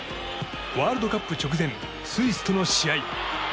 ワールドカップ直前スイスとの試合。